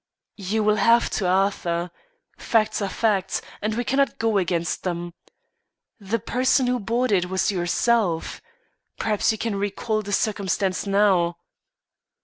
"You will have to, Arthur. Facts are facts, and we cannot go against them. The person who bought it was yourself. Perhaps you can recall the circumstance now."